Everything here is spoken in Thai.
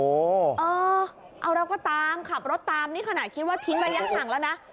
เออเอาเราก็ตามขับรถตามนี่ขนาดคิดว่าทิ้งระยะห่างแล้วนะ